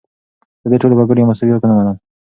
ده د ټولو وګړو مساوي حقونه منل.